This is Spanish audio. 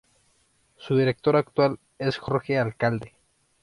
Su director actual es Jorge Alcalde.